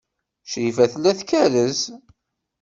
Crifa tella tkerrez.